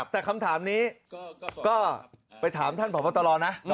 แต่คำถามนี้ก็ไปถามท่านผอบตรนะ